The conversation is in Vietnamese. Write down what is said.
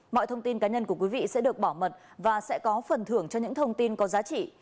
mọi thông tin cá nhân của quý vị sẽ được bảo mật và sẽ có phần thưởng cho những thông tin có giá trị